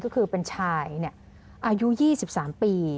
ก็คือเป็นชายอายุ๒๓ปี